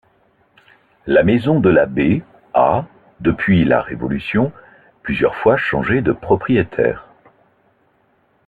La maison de l'abbé a, depuis la Révolution, plusieurs fois changé de propriétaire.